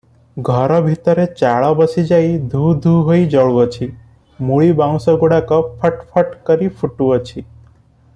ଘର ଭିତରେ ଚାଳ ବସିଯାଇ ଧୂ ଧୂ ହୋଇ ଜଳୁଅଛି ମୂଳିବାଉଁଶଗୁଡ଼ାକ ଫଟ୍ ଫଟ୍ କରି ଫୁଟୁଅଛି ।